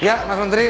ya mas menteri